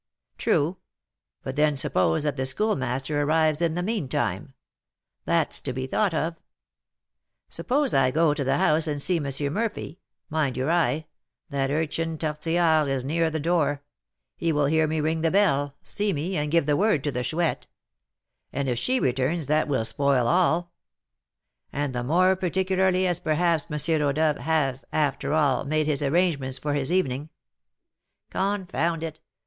True; but then suppose that the Schoolmaster arrives in the meantime, that's to be thought of. Suppose I go to the house and see M. Murphy, mind your eye! that urchin Tortillard is near the door; he will hear me ring the bell, see me, and give the word to the Chouette; and if she returns, that will spoil all; and the more particularly as perhaps M. Rodolph has, after all, made his arrangements for this evening.' Confound it!